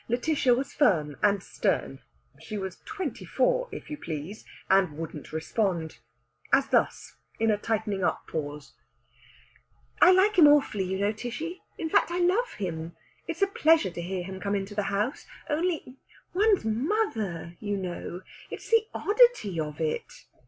Lætitia was firm and stern (she was twenty four, if you please!), and wouldn't respond. As thus, in a tightening up pause: "I like him awfully, you know, Tishy. In fact, I love him. It's a pleasure to hear him come into the house. Only one's mother, you know! It's the oddity of it!"